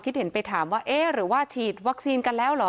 เห็นไปถามว่าเอ๊ะหรือว่าฉีดวัคซีนกันแล้วเหรอ